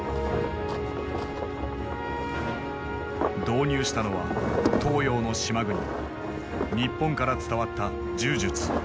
導入したのは東洋の島国日本から伝わった柔術。